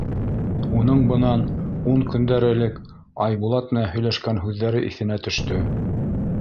Уның бынан ун көндәр элек Айбулат менән һөйләшкән һүҙҙәре иҫенә төштө.